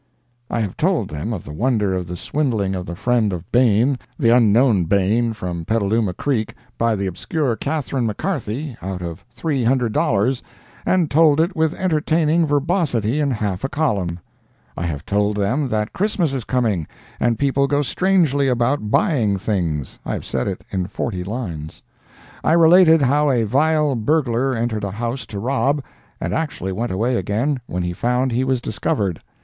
"I have told them of the wonder of the swindling of the friend of Bain, the unknown Bain from Petaluma Creek, by the obscure Catharine McCarthy, out of $300—and told it with entertaining verbosity in half a column. "I have told them that Christmas is coming, and people go strangely about, buying things—I have said it in forty lines. "I related how a vile burglar entered a house to rob, and actually went away again when he found he was discovered.